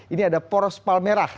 ini ada poros palmerah